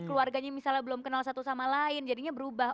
keluarganya misalnya belum kenal satu sama lain jadinya berubah